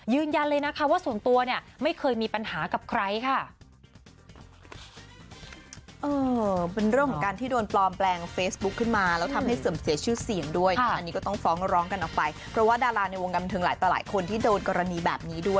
ยืนยันเลยนะคะว่าส่วนตัวเนี่ยไม่เคยมีปัญหากับใครค่ะ